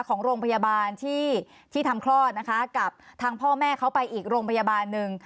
ของโรงพยาบาลที่ทำคลอดนะคะกับทางพ่อแม่เขาไปอีกโรงพยาบาลหนึ่ง